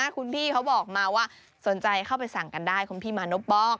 คุณพี่เขาบอกมาว่าสนใจเข้าไปสั่งกันได้คุณพี่มานพบอก